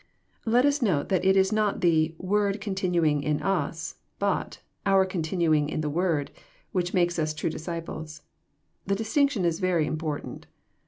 Let us note, that It is not the word continuing in us," but our continuing in the word," which makes us true disciples. The distinction is very important.